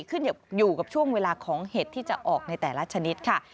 ขึ้นอยู่กับช่วงเวลาของเห็ดที่จะออกในแต่ละชนิดค่ะ